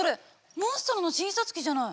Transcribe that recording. モンストロの診察機じゃない。